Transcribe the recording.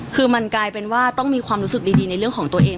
คือมันกลายเป็นว่าต้องมีความรู้สึกดีในเรื่องของตัวเอง